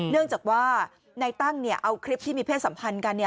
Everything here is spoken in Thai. เนื่องจากว่าในตั้งเอาคลิปที่มีเพศสัมพันธ์กัน